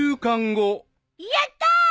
やった！